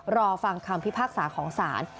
รอฟังคำพิพากษาของศาล